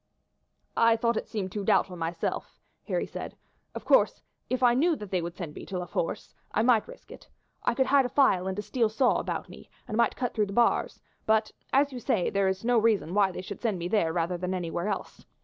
"I thought it seemed too doubtful myself," Harry said. "Of course, if I knew that they would send me to La Force, I might risk it. I could hide a file and a steel saw about me, and might cut through the bars; but, as you say, there is no reason why they should send me there rather than anywhere else.